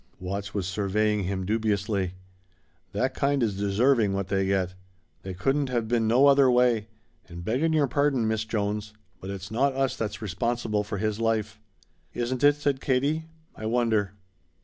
Watts was surveying him dubiously. "That kind is deserving what they get. They couldn't have been no other way. And beggin' your pardon, Miss Jones, but it's not us that's responsible for his life." "Isn't it?" said Katie. "I wonder."